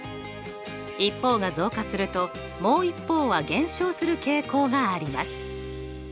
一方が増加するともう一方は減少する傾向があります。